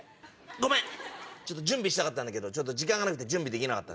ごめん準備したかったんだけど時間がなくて準備できなかった。